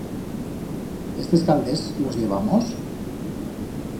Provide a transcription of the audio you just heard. Estes calders los llevamos?